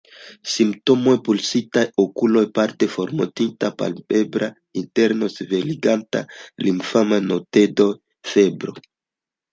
Simptomoj:Pulsitaj okuloj, parte formortinta palpebra interno, ŝveliĝantaj limfaj nodetoj, febro.